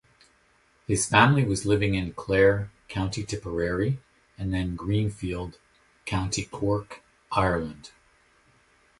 His family was living in Clare, County Tipperary and then Greenfield, County Cork, Ireland.